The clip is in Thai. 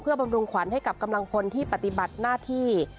บำรุงขวัญให้กับกำลังพลที่ปฏิบัติหน้าที่